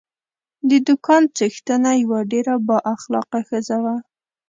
د دوکان څښتنه یوه ډېره با اخلاقه ښځه وه.